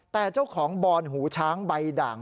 แต่เจ้าของบอนหูช้างใบด่าง